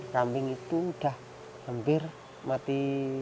kambing itu sudah hampir mati